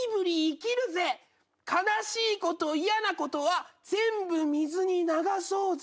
「悲しいこと嫌なことは全部水に流そうぜ」